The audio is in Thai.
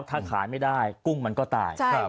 ถ้าขายไม่ได้กุ้งมันก็ตาย